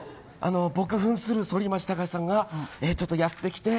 僕扮する反町隆史さんがやってきて。